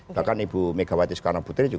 bahkan ibu megawati soekarno putri